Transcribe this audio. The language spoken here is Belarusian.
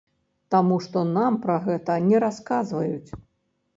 Таму што нам пра гэта не расказваюць.